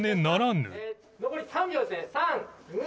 残り３秒ですね。